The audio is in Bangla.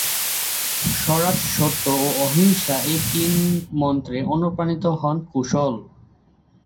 স্বরাজ, সত্য ও অহিংসা এই তিন মন্ত্রে অনুপ্রাণিত হন কুশল।